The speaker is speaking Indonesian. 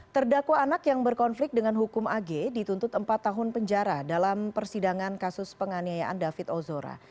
terdakwa anak yang berkonflik dengan hukum ag dituntut empat tahun penjara dalam persidangan kasus penganiayaan david ozora